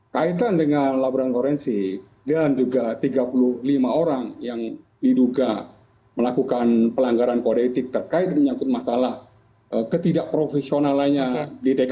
kaitan dengan laporan forensik dan juga tiga puluh lima orang yang diduga melakukan pelanggaran kode etik terkait menyangkut masalah ketidakprofesionalannya di tkp